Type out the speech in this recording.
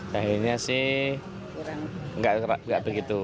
jahenya sih nggak begitu